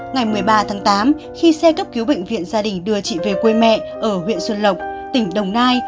ngày một mươi ba tháng tám khi xe cấp cứu bệnh viện gia đình đưa chị về quê mẹ ở huyện xuân lộc tỉnh đồng nai